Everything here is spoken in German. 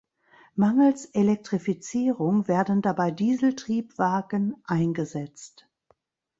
Mangels Elektrifizierung werden dabei Dieseltriebwagen eingesetzt.